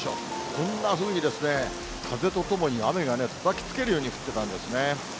こんなふうにですね、風とともに雨がたたきつけるように降ってたんですね。